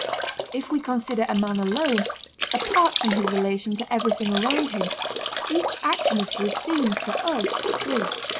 If we consider a man alone, apart from his relation to everything around him, each action of his seems to us free.